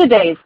Good day, and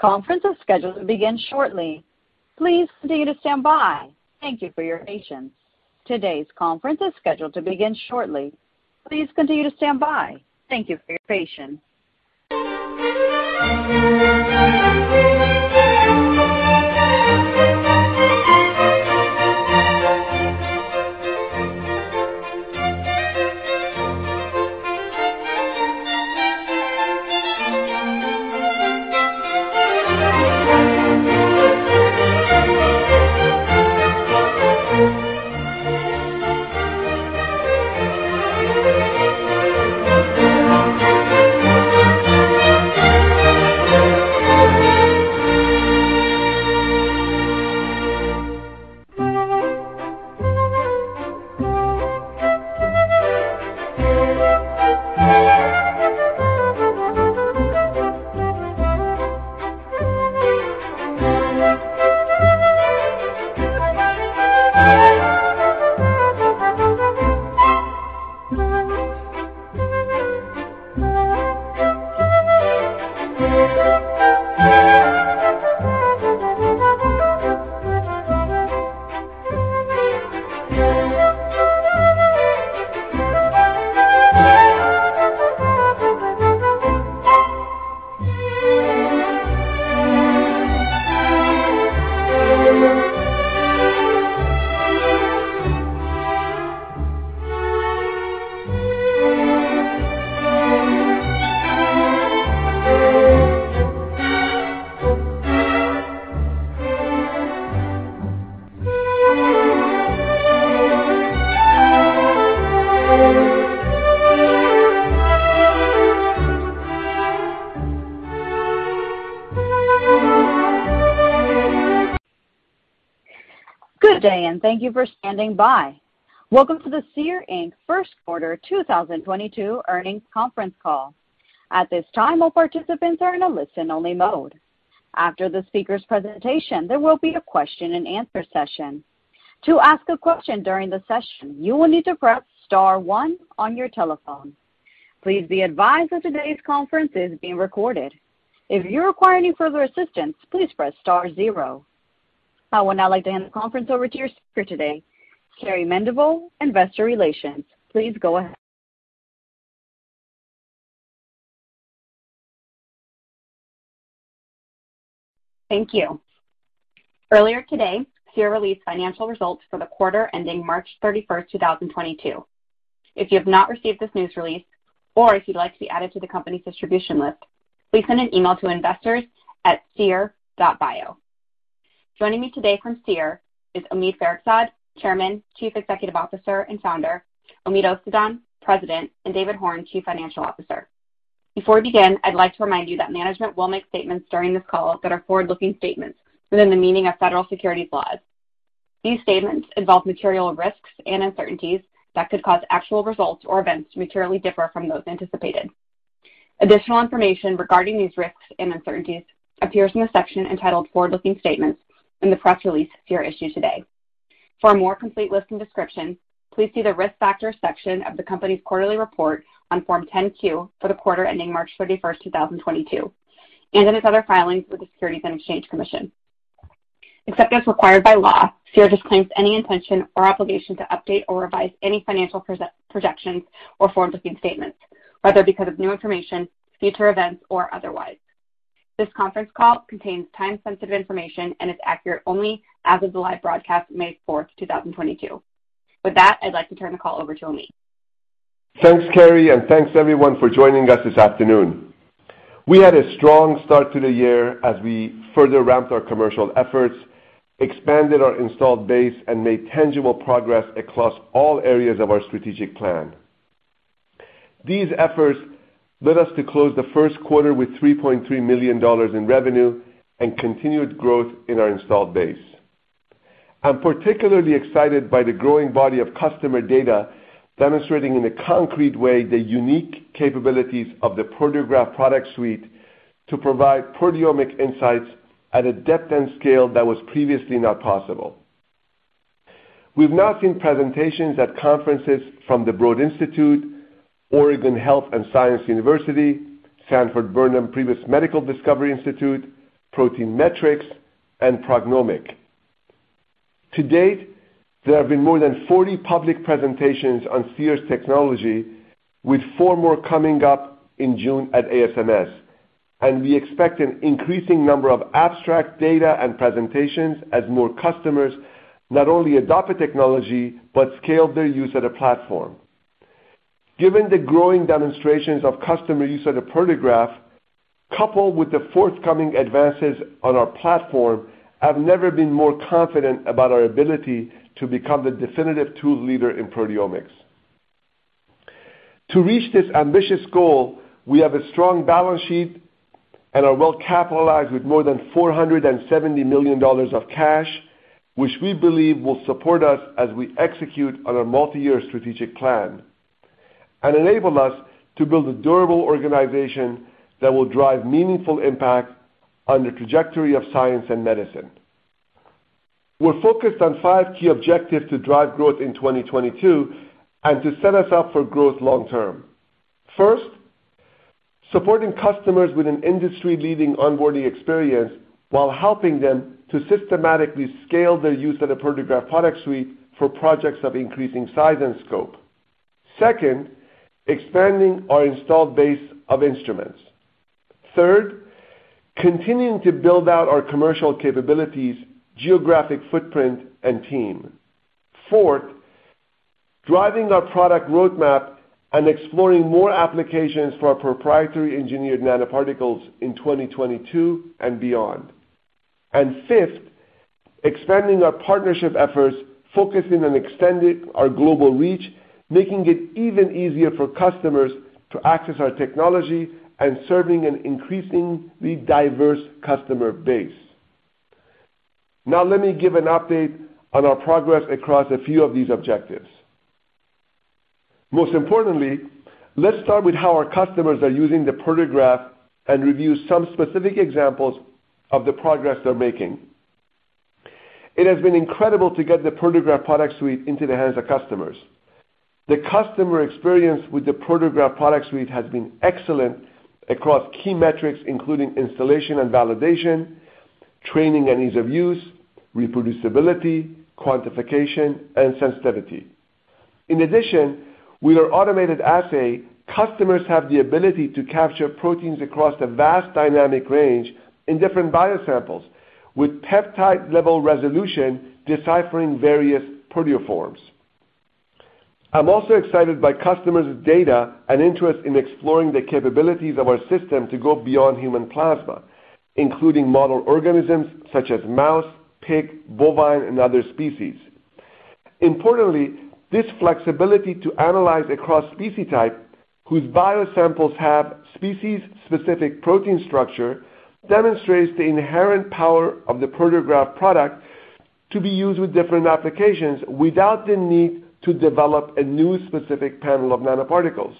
thank you for standing by. Welcome to the Seer, Inc. First Quarter 2022 Earnings Conference Call. At this time, all participants are in a listen-only mode. After the speaker's presentation, there will be a question-and-answer session. To ask a question during the session, you will need to press star one on your telephone. Please be advised that today's conference is being recorded. If you require any further assistance, please press star zero. I would now like to hand the conference over to your speaker today, Carrie Mendivil, Investor Relations. Please go ahead. Thank you. Earlier today, Seer released financial results for the quarter ending March 31, 2022. If you have not received this news release or if you'd like to be added to the company's distribution list, please send an email to investors@seer.bio. Joining me today from Seer is Omid Farokhzad, Chairman, Chief Executive Officer and Founder, Omead Ostadan, President, and David Horn, Chief Financial Officer. Before we begin, I'd like to remind you that management will make statements during this call that are forward-looking statements within the meaning of federal securities laws. These statements involve material risks and uncertainties that could cause actual results or events to materially differ from those anticipated. Additional information regarding these risks and uncertainties appears in the section entitled Forward-Looking Statements in the press release Seer issued today. For a more complete list and description, please see the Risk Factors section of the company's quarterly report on Form 10-Q for the quarter ending March 31, 2022, and in its other filings with the Securities and Exchange Commission. Except as required by law, Seer disclaims any intention or obligation to update or revise any financial projections or forward-looking statements, whether because of new information, future events or otherwise. This conference call contains time-sensitive information and is accurate only as of the live broadcast, May 4, 2022. With that, I'd like to turn the call over to Omid. Thanks, Carrie, and thanks everyone for joining us this afternoon. We had a strong start to the year as we further ramped our commercial efforts, expanded our installed base, and made tangible progress across all areas of our strategic plan. These efforts led us to close the first quarter with $3.3 million in revenue and continued growth in our installed base. I'm particularly excited by the growing body of customer data demonstrating in a concrete way the unique capabilities of the Proteograph Product Suite to provide proteomic insights at a depth and scale that was previously not possible. We've now seen presentations at conferences from the Broad Institute, Oregon Health & Science University, Sanford Burnham Prebys Medical Discovery Institute, Protein Metrics, and PrognomiQ. To date, there have been more than 40 public presentations on Seer's technology, with four more coming up in June at ASMS, and we expect an increasing number of abstract data and presentations as more customers not only adopt the technology but scale their use of the platform. Given the growing demonstrations of customer use of the Proteograph, coupled with the forthcoming advances on our platform, I've never been more confident about our ability to become the definitive tool leader in proteomics. To reach this ambitious goal, we have a strong balance sheet and are well capitalized with more than $470 million of cash, which we believe will support us as we execute on our multi-year strategic plan and enable us to build a durable organization that will drive meaningful impact on the trajectory of science and medicine. We're focused on 5 key objectives to drive growth in 2022 and to set us up for growth long term. First, supporting customers with an industry-leading onboarding experience while helping them to systematically scale their use of the Proteograph Product Suite for projects of increasing size and scope. Second, expanding our installed base of instruments. Third, continuing to build out our commercial capabilities, geographic footprint, and team. Fourth, driving our product roadmap and exploring more applications for our proprietary engineered nanoparticles in 2022 and beyond. Fifth, expanding our partnership efforts, focusing on extending our global reach, making it even easier for customers to access our technology and serving an increasingly diverse customer base. Now, let me give an update on our progress across a few of these objectives. Most importantly, let's start with how our customers are using the Proteograph and review some specific examples of the progress they're making. It has been incredible to get the Proteograph Product Suite into the hands of customers. The customer experience with the Proteograph Product Suite has been excellent across key metrics, including installation and validation, training and ease of use, reproducibility, quantification, and sensitivity. In addition, with our automated assay, customers have the ability to capture proteins across a vast dynamic range in different biosamples, with peptide-level resolution deciphering various proteoforms. I'm also excited by customers' data and interest in exploring the capabilities of our system to go beyond human plasma, including model organisms such as mouse, pig, bovine, and other species. Importantly, this flexibility to analyze across species type, whose biosamples have species-specific protein structure, demonstrates the inherent power of the Proteograph product to be used with different applications without the need to develop a new specific panel of nanoparticles.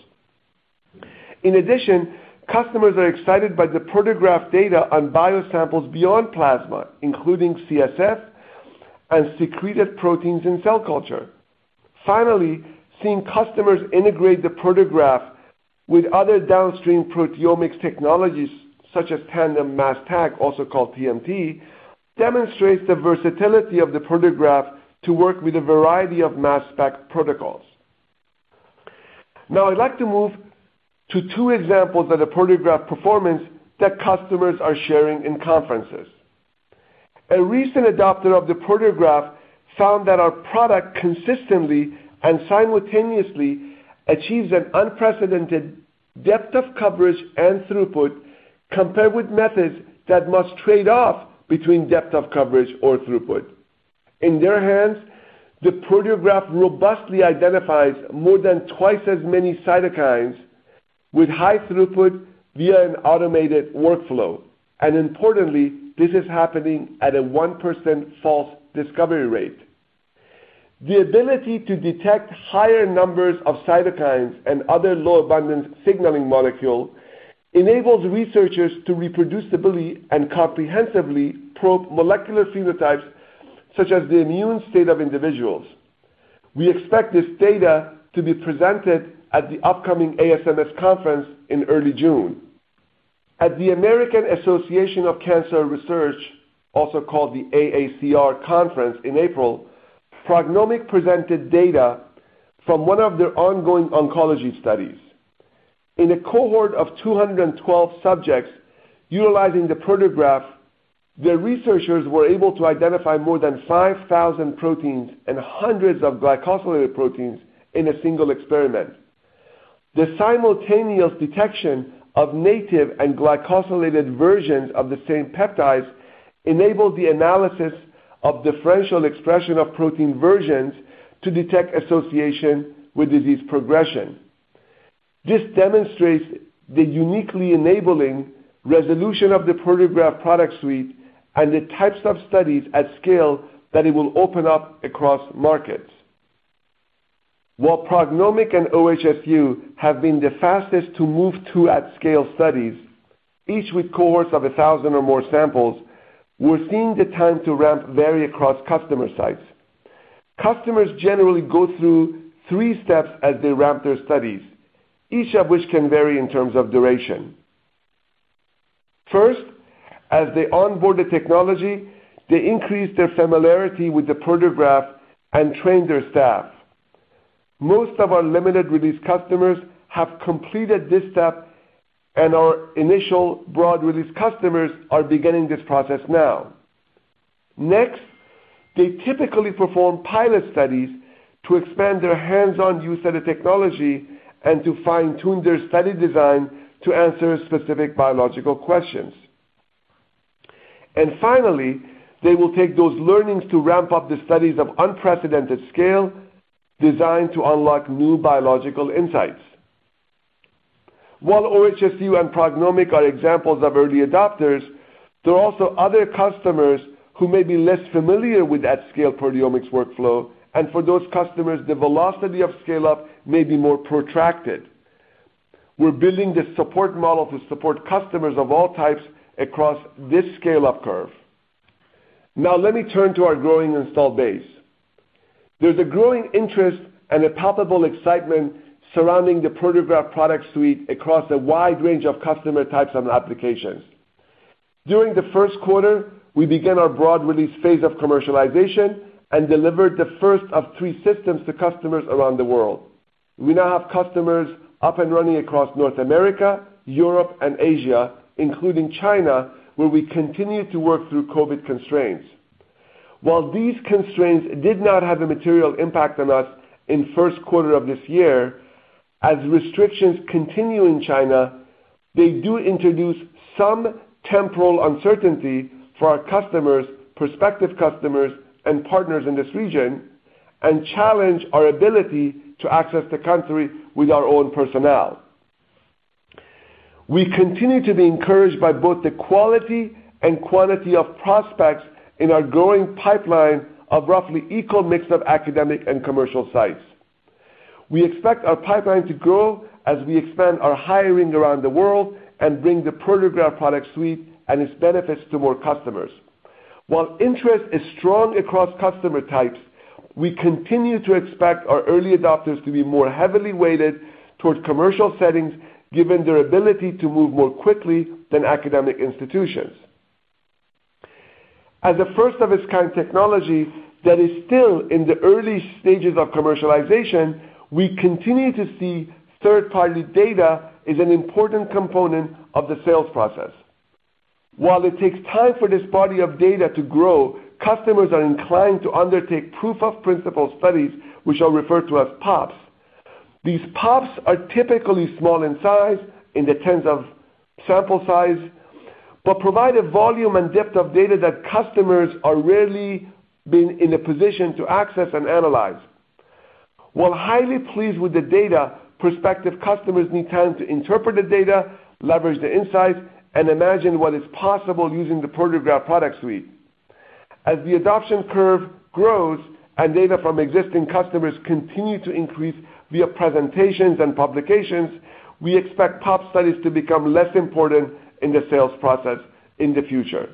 In addition, customers are excited by the Proteograph data on biosamples beyond plasma, including CSF and secreted proteins in cell culture. Finally, seeing customers integrate the Proteograph with other downstream proteomics technologies, such as tandem mass tag, also called TMT, demonstrates the versatility of the Proteograph to work with a variety of mass spec protocols. Now, I'd like to move to two examples of the Proteograph performance that customers are sharing in conferences. A recent adopter of the Proteograph found that our product consistently and simultaneously achieves an unprecedented depth of coverage and throughput compared with methods that must trade off between depth of coverage or throughput. In their hands, the Proteograph robustly identifies more than twice as many cytokines with high throughput via an automated workflow. Importantly, this is happening at a 1% false discovery rate. The ability to detect higher numbers of cytokines and other low-abundance signaling molecule enables researchers to reproducibly and comprehensively probe molecular phenotypes, such as the immune state of individuals. We expect this data to be presented at the upcoming ASMS conference in early June. At the American Association for Cancer Research, also called the AACR, conference in April, PrognomiQ presented data from one of their ongoing oncology studies. In a cohort of 212 subjects utilizing the Proteograph, their researchers were able to identify more than 5,000 proteins and hundreds of glycosylated proteins in a single experiment. The simultaneous detection of native and glycosylated versions of the same peptides enabled the analysis of differential expression of protein versions to detect association with disease progression. This demonstrates the uniquely enabling resolution of the Proteograph Product Suite and the types of studies at scale that it will open up across markets. While PrognomiQ and OHSU have been the fastest to move to at scale studies, each with cohorts of 1,000 or more samples, we're seeing the time to ramp vary across customer sites. Customers generally go through three steps as they ramp their studies, each of which can vary in terms of duration. First, as they onboard the technology, they increase their familiarity with the Proteograph and train their staff. Most of our limited release customers have completed this step, and our initial broad release customers are beginning this process now. Next, they typically perform pilot studies to expand their hands-on use of the technology and to fine-tune their study design to answer specific biological questions. Finally, they will take those learnings to ramp up the studies of unprecedented scale designed to unlock new biological insights. While OHSU and PrognomiQ are examples of early adopters, there are also other customers who may be less familiar with at-scale proteomics workflow, and for those customers, the velocity of scale-up may be more protracted. We're building this support model to support customers of all types across this scale-up curve. Now let me turn to our growing install base. There's a growing interest and a palpable excitement surrounding the Proteograph Product Suite across a wide range of customer types and applications. During the first quarter, we began our broad release phase of commercialization and delivered the first of three systems to customers around the world. We now have customers up and running across North America, Europe, and Asia, including China, where we continue to work through COVID constraints. While these constraints did not have a material impact on us in first quarter of this year, as restrictions continue in China, they do introduce some temporal uncertainty for our customers, prospective customers, and partners in this region, and challenge our ability to access the country with our own personnel. We continue to be encouraged by both the quality and quantity of prospects in our growing pipeline of roughly equal mix of academic and commercial sites. We expect our pipeline to grow as we expand our hiring around the world and bring the Proteograph Product Suite and its benefits to more customers. While interest is strong across customer types, we continue to expect our early adopters to be more heavily weighted towards commercial settings, given their ability to move more quickly than academic institutions. As a first-of-its-kind technology that is still in the early stages of commercialization, we continue to see third-party data as an important component of the sales process. While it takes time for this body of data to grow, customers are inclined to undertake proof of principle studies, which are referred to as PoPs. These PoPs are typically small in size, in the tens of sample size, but provide a volume and depth of data that customers are rarely been in a position to access and analyze. While highly pleased with the data, prospective customers need time to interpret the data, leverage the insights, and imagine what is possible using the Proteograph Product Suite. As the adoption curve grows and data from existing customers continue to increase via presentations and publications, we expect PoP studies to become less important in the sales process in the future.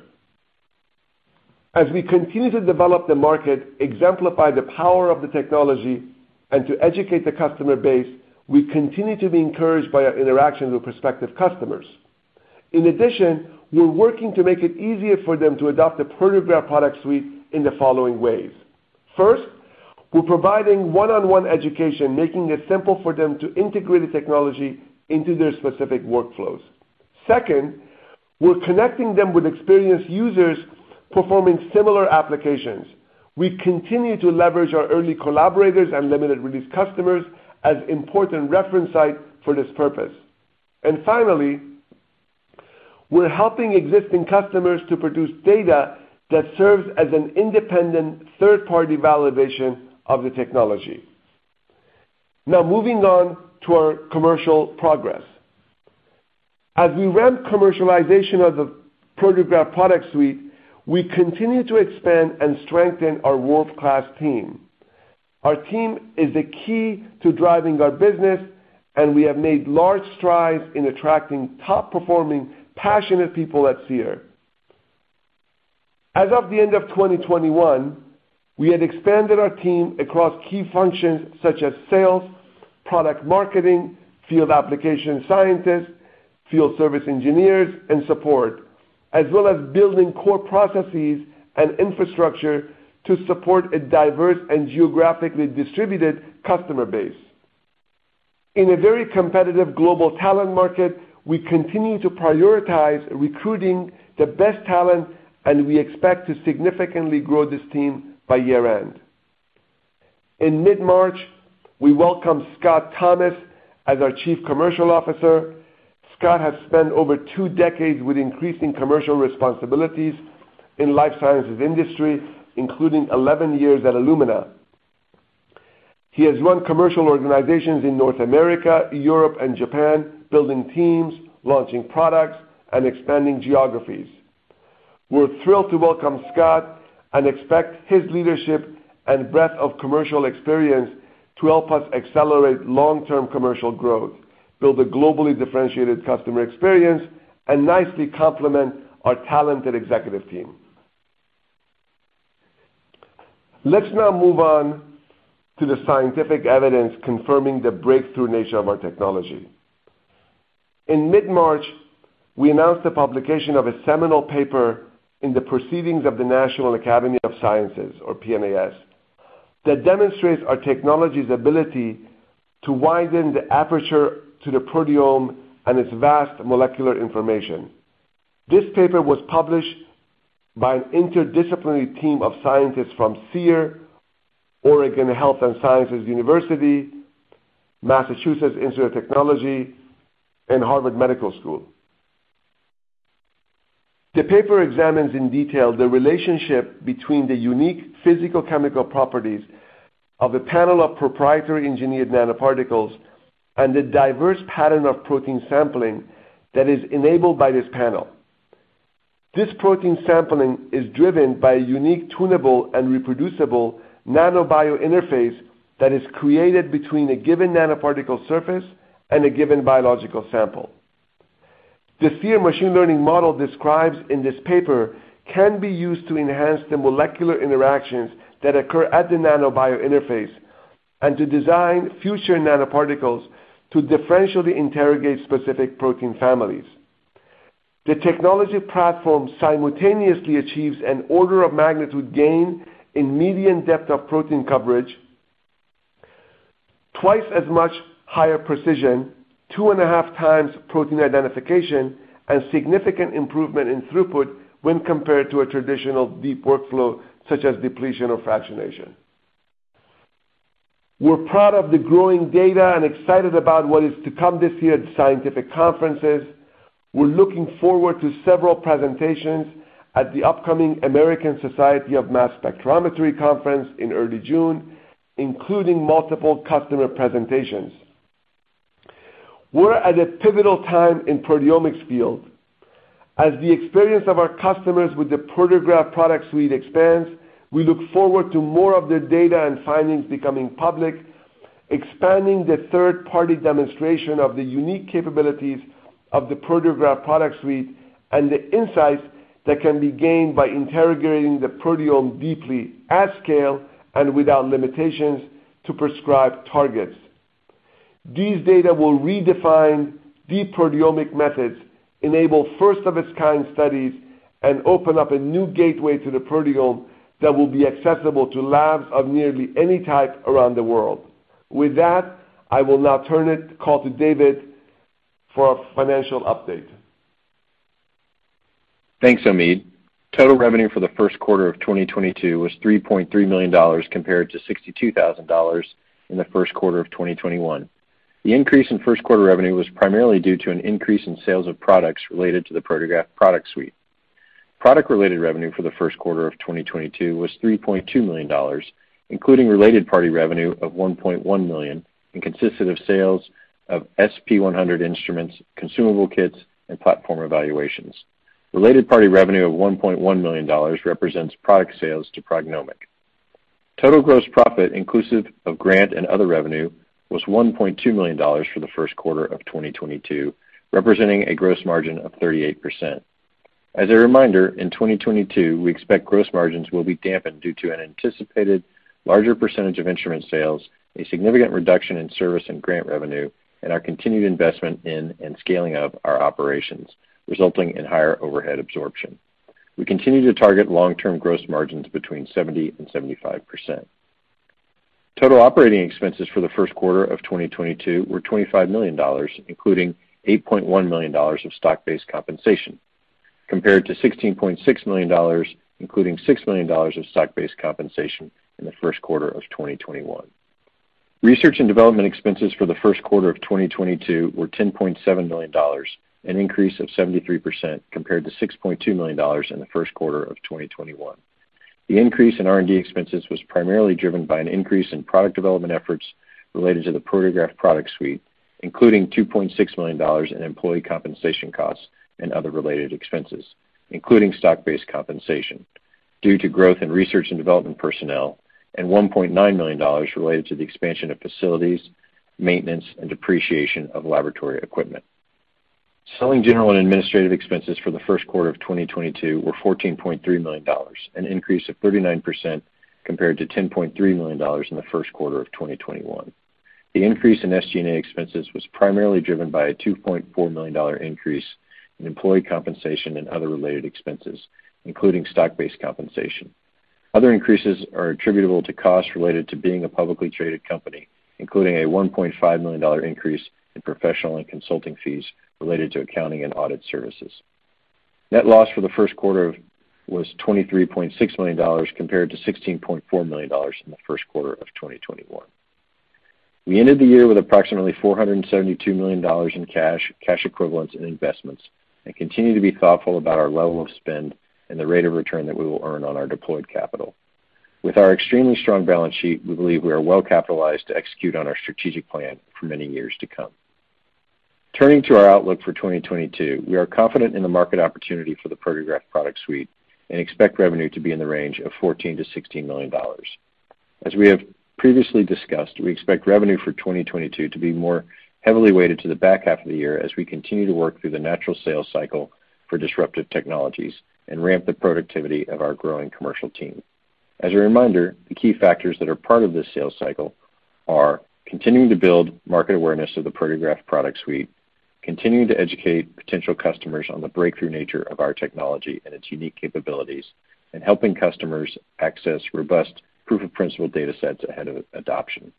As we continue to develop the market, exemplify the power of the technology, and to educate the customer base, we continue to be encouraged by our interactions with prospective customers. In addition, we're working to make it easier for them to adopt the Proteograph Product Suite in the following ways. First, we're providing one-on-one education, making it simple for them to integrate the technology into their specific workflows. Second, we're connecting them with experienced users performing similar applications. We continue to leverage our early collaborators and limited release customers as important reference site for this purpose. Finally, we're helping existing customers to produce data that serves as an independent third-party validation of the technology. Now, moving on to our commercial progress. As we ramp commercialization of the Proteograph product suite, we continue to expand and strengthen our world-class team. Our team is the key to driving our business, and we have made large strides in attracting top-performing, passionate people at Seer. As of the end of 2021, we had expanded our team across key functions such as sales, product marketing, field application scientists, field service engineers, and support, as well as building core processes and infrastructure to support a diverse and geographically distributed customer base. In a very competitive global talent market, we continue to prioritize recruiting the best talent, and we expect to significantly grow this team by year-end. In mid-March, we welcomed Scott Thomas as our Chief Commercial Officer. Scott has spent over two decades with increasing commercial responsibilities in life sciences industry, including 11 years at Illumina. He has run commercial organizations in North America, Europe, and Japan, building teams, launching products, and expanding geographies. We're thrilled to welcome Scott and expect his leadership and breadth of commercial experience to help us accelerate long-term commercial growth, build a globally differentiated customer experience, and nicely complement our talented executive team. Let's now move on to the scientific evidence confirming the breakthrough nature of our technology. In mid-March, we announced the publication of a seminal paper in the Proceedings of the National Academy of Sciences, or PNAS, that demonstrates our technology's ability to widen the aperture to the proteome and its vast molecular information. This paper was published by an interdisciplinary team of scientists from Seer, Oregon Health & Science University, Massachusetts Institute of Technology, and Harvard Medical School. The paper examines in detail the relationship between the unique physicochemical properties of a panel of proprietary engineered nanoparticles and the diverse pattern of protein sampling that is enabled by this panel. This protein sampling is driven by a unique tunable and reproducible nano-bio interface that is created between a given nanoparticle surface and a given biological sample. The deep machine learning model describes in this paper can be used to enhance the molecular interactions that occur at the nano-bio interface and to design future nanoparticles to differentially interrogate specific protein families. The technology platform simultaneously achieves an order of magnitude gain in median depth of protein coverage, twice as much higher precision, 2.5 times protein identification, and significant improvement in throughput when compared to a traditional deep workflow such as depletion or fractionation. We're proud of the growing data and excited about what is to come this year at scientific conferences. We're looking forward to several presentations at the upcoming American Society for Mass Spectrometry Conference in early June, including multiple customer presentations. We're at a pivotal time in proteomics field. As the experience of our customers with the Proteograph Product Suite expands, we look forward to more of the data and findings becoming public, expanding the third-party demonstration of the unique capabilities of the Proteograph Product Suite and the insights that can be gained by interrogating the proteome deeply at scale and without limitations to prescribe targets. These data will redefine deep proteomic methods, enable first of its kind studies, and open up a new gateway to the proteome that will be accessible to labs of nearly any type around the world. With that, I will now turn the call to David for a financial update. Thanks, Omid. Total revenue for the first quarter of 2022 was $3.3 million compared to $62,000 in the first quarter of 2021. The increase in first quarter revenue was primarily due to an increase in sales of products related to the Proteograph Product Suite. Product-related revenue for the first quarter of 2022 was $3.2 million, including related party revenue of $1.1 million, and consisted of sales of SP100 instruments, consumable kits, and platform evaluations. Related party revenue of $1.1 million represents product sales to PrognomiQ. Total gross profit, inclusive of grant and other revenue, was $1.2 million for the first quarter of 2022, representing a gross margin of 38%. As a reminder, in 2022, we expect gross margins will be dampened due to an anticipated larger percentage of instrument sales, a significant reduction in service and grant revenue, and our continued investment in and scaling of our operations, resulting in higher overhead absorption. We continue to target long-term gross margins between 70%-75%. Total operating expenses for the first quarter of 2022 were $25 million, including $8.1 million of stock-based compensation, compared to $16.6 million, including $6 million of stock-based compensation in the first quarter of 2021. Research and development expenses for the first quarter of 2022 were $10.7 million, an increase of 73% compared to $6.2 million in the first quarter of 2021. The increase in R&D expenses was primarily driven by an increase in product development efforts related to the Proteograph Product Suite, including $2.6 million in employee compensation costs and other related expenses, including stock-based compensation, due to growth in research and development personnel and $1.9 million related to the expansion of facilities, maintenance, and depreciation of laboratory equipment. Selling, general, and administrative expenses for the first quarter of 2022 were $14.3 million, an increase of 39% compared to $10.3 million in the first quarter of 2021. The increase in SG&A expenses was primarily driven by a $2.4 million dollar increase in employee compensation and other related expenses, including stock-based compensation. Other increases are attributable to costs related to being a publicly traded company, including a $1.5 million increase in professional and consulting fees related to accounting and audit services. Net loss for the first quarter was $23.6 million compared to $16.4 million in the first quarter of 2021. We ended the year with approximately $472 million in cash equivalents, and investments, and continue to be thoughtful about our level of spend and the rate of return that we will earn on our deployed capital. With our extremely strong balance sheet, we believe we are well-capitalized to execute on our strategic plan for many years to come. Turning to our outlook for 2022, we are confident in the market opportunity for the Proteograph product suite and expect revenue to be in the range of $14-$16 million. We expect revenue for 2022 to be more heavily weighted to the back half of the year as we continue to work through the natural sales cycle for disruptive technologies and ramp the productivity of our growing commercial team. As a reminder, the key factors that are part of this sales cycle are continuing to build market awareness of the Proteograph product suite, continuing to educate potential customers on the breakthrough nature of our technology and its unique capabilities, and helping customers access robust proof of principle data sets ahead of adoption.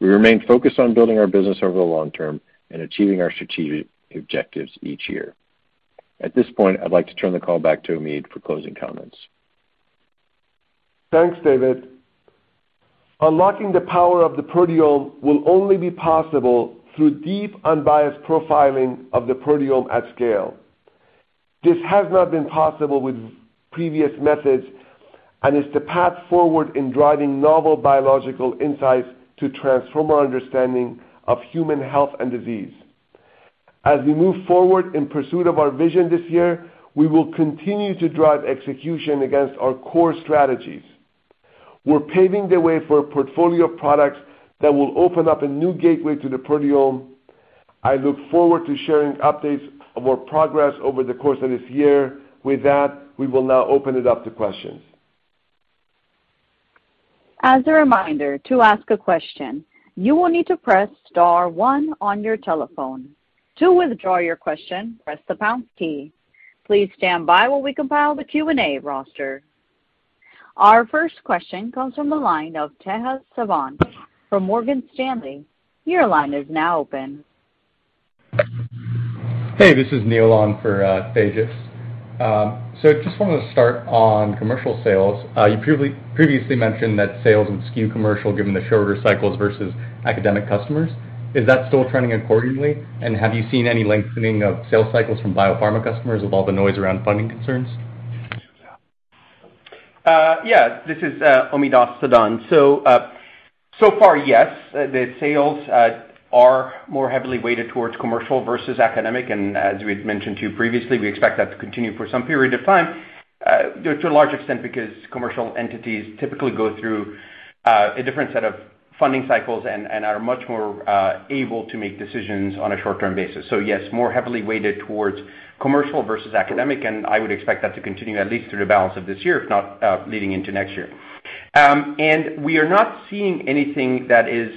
We remain focused on building our business over the long term and achieving our strategic objectives each year. At this point, I'd like to turn the call back to Omid for closing comments. Thanks, David. Unlocking the power of the proteome will only be possible through deep, unbiased profiling of the proteome at scale. This has not been possible with previous methods. It's the path forward in driving novel biological insights to transform our understanding of human health and disease. As we move forward in pursuit of our vision this year, we will continue to drive execution against our core strategies. We're paving the way for a portfolio of products that will open up a new gateway to the proteome. I look forward to sharing updates of our progress over the course of this year. With that, we will now open it up to questions. As a reminder, to ask a question, you will need to press star one on your telephone. To withdraw your question, press the pound key. Please stand by while we compile the Q&A roster. Our first question comes from the line of Tejas Savant from Morgan Stanley. Your line is now open. Hey, this is Neil on for Tejas. Just wanted to start on commercial sales. You previously mentioned that sales and SKU commercial, given the shorter cycles versus academic customers, is that still trending accordingly? Have you seen any lengthening of sales cycles from biopharma customers with all the noise around funding concerns? Yeah, this is Omead Ostadan. So far, yes, the sales are more heavily weighted towards commercial versus academic, and as we had mentioned to you previously, we expect that to continue for some period of time, to a large extent because commercial entities typically go through a different set of funding cycles and are much more able to make decisions on a short-term basis. Yes, more heavily weighted towards commercial versus academic, and I would expect that to continue at least through the balance of this year, if not leading into next year. We are not seeing anything that is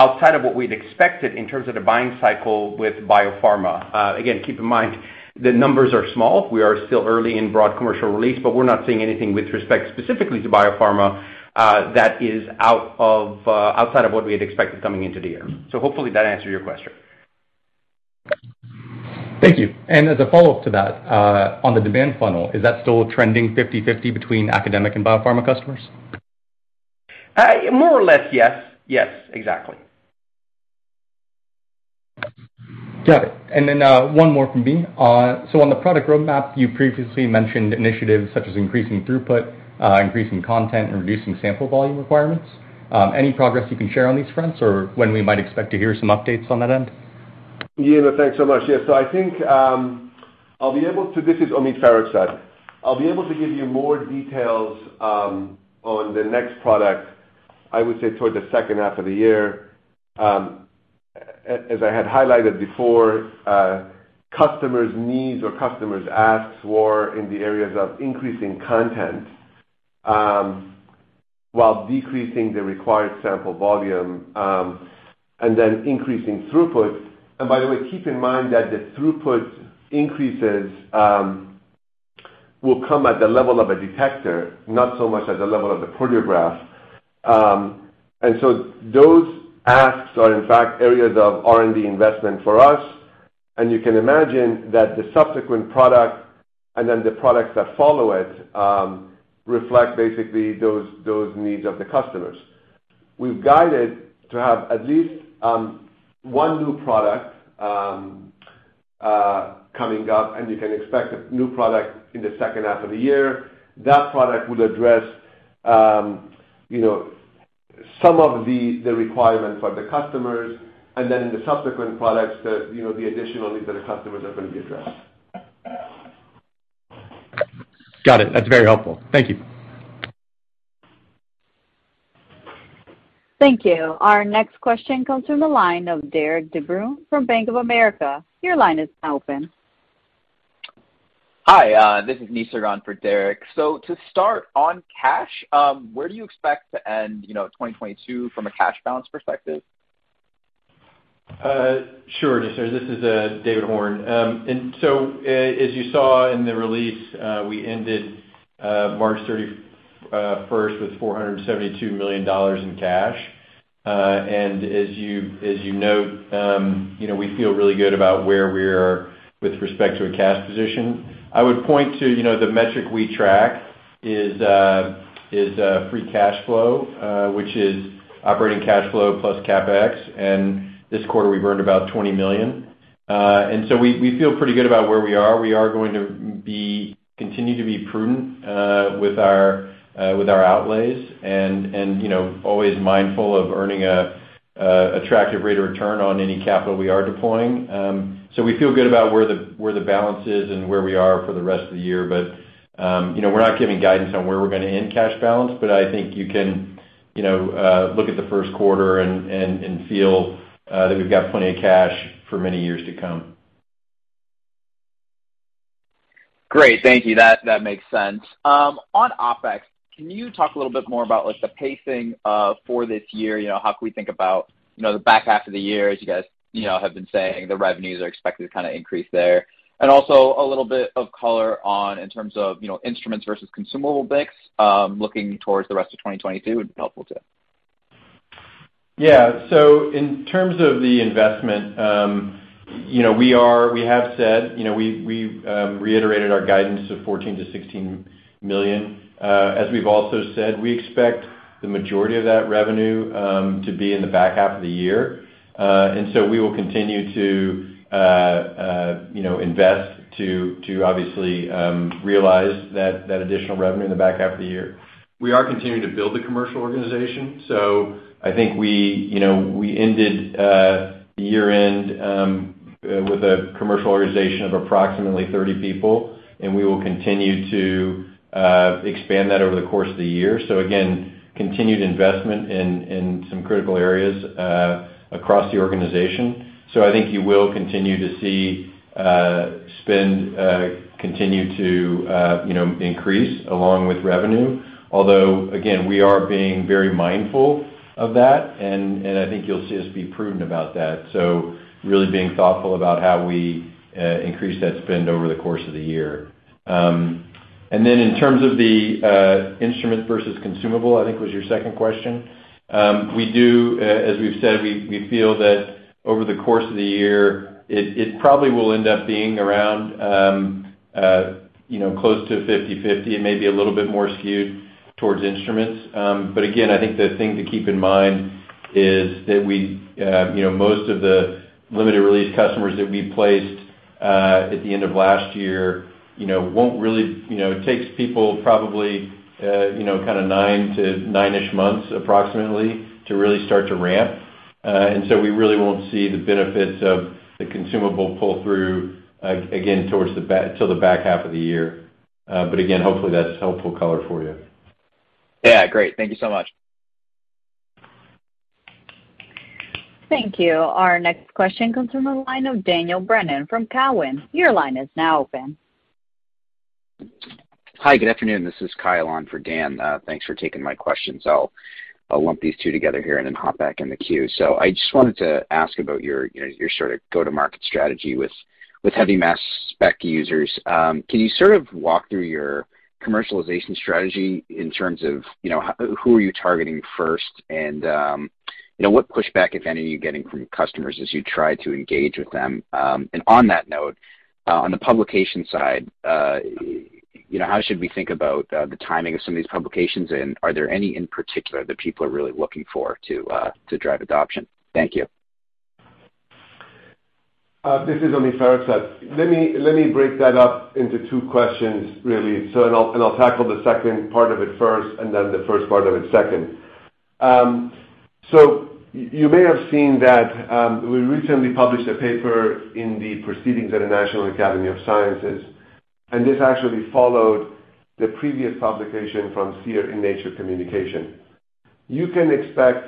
outside of what we'd expected in terms of the buying cycle with biopharma. Again, keep in mind the numbers are small. We are still early in broad commercial release, but we're not seeing anything with respect specifically to biopharma, that is out of, outside of what we had expected coming into the year. Hopefully that answered your question. Thank you. As a follow-up to that, on the demand funnel, is that still trending 50/50 between academic and biopharma customers? More or less, yes. Yes, exactly. Got it. One more from me. On the product roadmap, you previously mentioned initiatives such as increasing throughput, increasing content, and reducing sample volume requirements. Any progress you can share on these fronts, or when we might expect to hear some updates on that end? Yeah, thanks so much. Yes. I think, this is Omid Farokhzad. I'll be able to give you more details on the next product, I would say, toward the second half of the year. As I had highlighted before, customers' needs or customers' asks were in the areas of increasing content while decreasing the required sample volume and then increasing throughput. By the way, keep in mind that the throughput increases will come at the level of a detector, not so much at the level of the Proteograph. Those asks are in fact areas of R&D investment for us. You can imagine that the subsequent product and then the products that follow it reflect basically those needs of the customers. We've guided to have at least one new product coming up, and you can expect a new product in the second half of the year. That product would address, you know, some of the requirements for the customers and then the subsequent products that, you know, the additional needs that our customers are going to be addressed. Got it. That's very helpful. Thank you. Thank you. Our next question comes from the line of Derik de Bruin from Bank of America. Your line is now open. Hi, this is Nisarg on for Derek. To start on cash, where do you expect to end, you know, 2022 from a cash balance perspective? Sure, Nisarg. This is David Horn. As you saw in the release, we ended March thirty-first with $472 million in cash. As you note, you know, we feel really good about where we are with respect to a cash position. I would point to, you know, the metric we track is free cash flow, which is operating cash flow plus CapEx, and this quarter, we burned about $20 million. We feel pretty good about where we are. We are going to continue to be prudent with our outlays and, you know, always mindful of earning an attractive rate of return on any capital we are deploying. We feel good about where the balance is and where we are for the rest of the year. You know, we're not giving guidance on where we're gonna end cash balance, but I think you can, you know, look at the first quarter and feel that we've got plenty of cash for many years to come. Great. Thank you. That makes sense. On OpEx, can you talk a little bit more about like the pacing for this year? You know, how can we think about, you know, the back half of the year as you guys, you know, have been saying the revenues are expected to kind of increase there? Also a little bit of color on, in terms of, you know, instruments versus consumable mix looking towards the rest of 2022 would be helpful too. Yeah. In terms of the investment, you know, we have said, you know, we reiterated our guidance of $14 million-$16 million. As we've also said, we expect the majority of that revenue to be in the back half of the year. We will continue to you know, invest to obviously realize that additional revenue in the back half of the year. We are continuing to build the commercial organization. I think we, you know, ended the year-end with a commercial organization of approximately 30 people, and we will continue to expand that over the course of the year. Again, continued investment in some critical areas across the organization. I think you will continue to see spend continue to you know increase along with revenue. Although, again, we are being very mindful of that, and I think you'll see us be prudent about that. Really being thoughtful about how we increase that spend over the course of the year. And then in terms of the instrument versus consumable, I think was your second question. We do as we've said, we feel that over the course of the year it probably will end up being around you know close to 50/50. It may be a little bit more skewed towards instruments. Again, I think the thing to keep in mind is that we, you know, most of the limited release customers that we placed at the end of last year, you know, won't really. You know, it takes people probably, you know, kinda 9 to 9-ish months approximately to really start to ramp. We really won't see the benefits of the consumable pull-through again towards the back half of the year. Again, hopefully that's helpful color for you. Yeah, great. Thank you so much. Thank you. Our next question comes from the line of Daniel Brennan from Cowen. Your line is now open. Hi, good afternoon. This is Kyle on for Dan. Thanks for taking my questions. I'll lump these two together here and then hop back in the queue. I just wanted to ask about your, you know, your sort of go-to-market strategy with heavy mass spec users. Can you sort of walk through your commercialization strategy in terms of, you know, who are you targeting first? You know, what pushback, if any, are you getting from customers as you try to engage with them? On that note, on the publication side, you know, how should we think about the timing of some of these publications? Are there any in particular that people are really looking for to drive adoption? Thank you. This is Omid Farokhzad. Let me break that up into two questions really. I'll tackle the second part of it first and then the first part of it second. You may have seen that we recently published a paper in the Proceedings of the National Academy of Sciences, and this actually followed the previous publication from Seer in Nature Communications. You can expect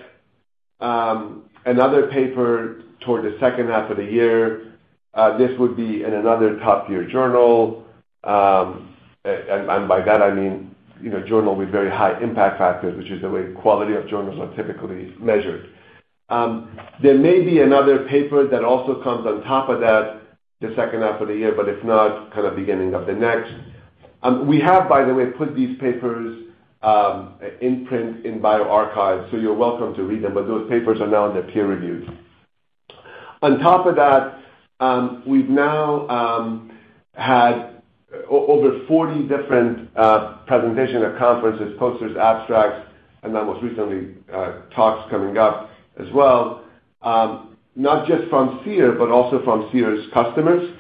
another paper toward the second half of the year. This would be in another top-tier journal. And by that I mean, you know, journal with very high impact factors, which is the way quality of journals are typically measured. There may be another paper that also comes on top of that the second half of the year, but if not, kind of beginning of the next. We have, by the way, put these papers in print in bioRxiv, so you're welcome to read them, but those papers are now under peer review. On top of that, we've now had over 40 different presentations at conferences, posters, abstracts, and then most recently, talks coming up as well, not just from Seer but also from Seer's customers.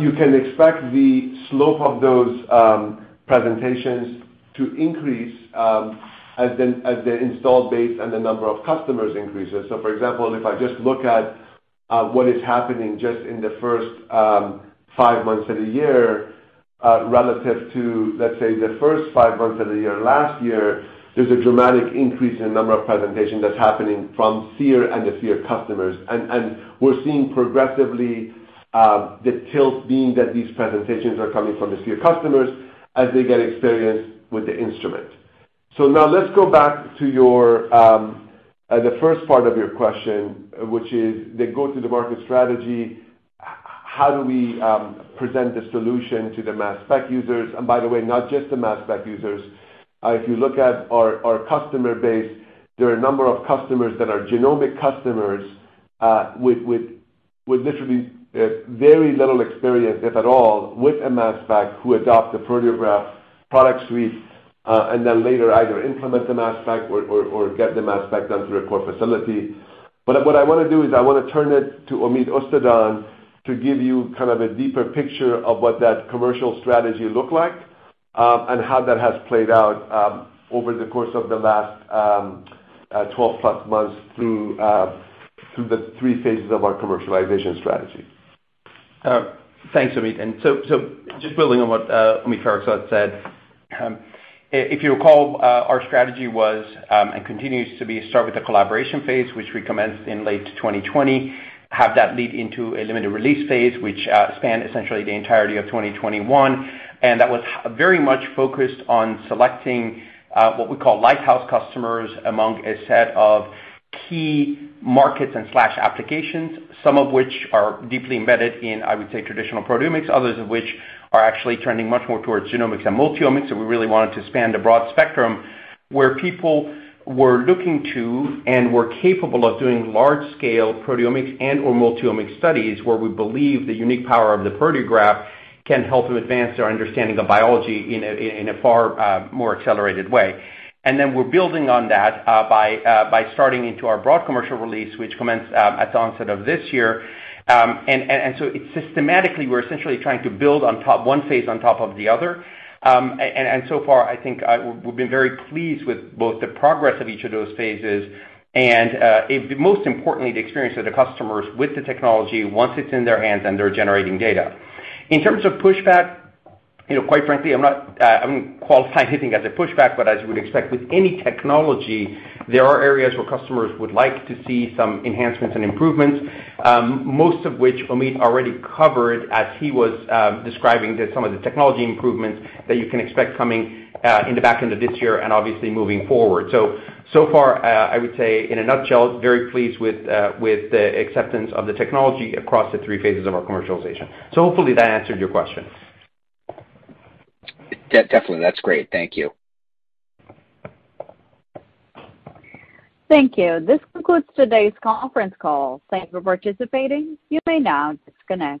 You can expect the slope of those presentations to increase as the install base and the number of customers increases. For example, if I just look at what is happening just in the first 5 months of the year relative to, let's say, the first 5 months of the year last year, there's a dramatic increase in the number of presentations that's happening from Seer and the Seer customers. We're seeing progressively the tilt being that these presentations are coming from the Seer customers as they get experience with the instrument. Now let's go back to your the first part of your question, which is the go-to-the-market strategy. How do we present the solution to the mass spec users? By the way, not just the mass spec users. If you look at our our customer base, there are a number of customers that are genomic customers with with with literally very little experience, if at all, with a mass spec who adopt the Proteograph Product Suite and then later either implement the mass spec or or or get the mass spec done through a core facility. What I wanna do is turn it to Omead Ostadan to give you kind of a deeper picture of what that commercial strategy look like, and how that has played out over the course of the last 12+ months through the three phases of our commercialization strategy. Thanks, Omid Farokhzad. Just building on what Omid Farokhzad said, if you recall, our strategy was and continues to be start with the collaboration phase, which we commenced in late 2020, have that lead into a limited release phase, which spanned essentially the entirety of 2021. That was very much focused on selecting what we call lighthouse customers among a set of key markets and/or applications, some of which are deeply embedded in, I would say, traditional proteomics, others of which are actually trending much more towards genomics and multi-omics. We really wanted to span the broad spectrum, where people were looking to and were capable of doing large-scale proteomics and/or multi-omics studies, where we believe the unique power of the Proteograph can help to advance our understanding of biology in a far more accelerated way. Then we're building on that by starting into our broad commercial release, which commenced at the onset of this year. Systematically, we're essentially trying to build on top of one phase on top of the other. So far, I think, we've been very pleased with both the progress of each of those phases and, most importantly, the experience of the customers with the technology once it's in their hands and they're generating data. In terms of pushback, you know, quite frankly, I'm not. I wouldn't qualify anything as a pushback, but as you would expect with any technology, there are areas where customers would like to see some enhancements and improvements, most of which Omid already covered as he was describing some of the technology improvements that you can expect coming in the back end of this year and obviously moving forward. So far, I would say, in a nutshell, very pleased with the acceptance of the technology across the three phases of our commercialization. Hopefully that answered your question. Yeah, definitely. That's great. Thank you. Thank you. This concludes today's conference call. Thank you for participating. You may now disconnect.